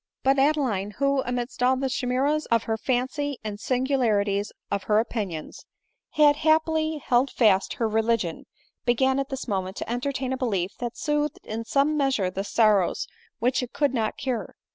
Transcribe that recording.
But Adeline, who, amidst all the chimeras of her fancy and singularities of her opinions, had happily held fast her religion, began at this moment to entertain a belief that soothed in some measure the sorrows which it could not cure.